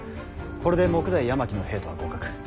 これで目代山木の兵とは互角。